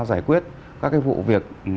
giải quyết các vụ việc